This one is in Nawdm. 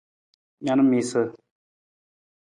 Na na miisa.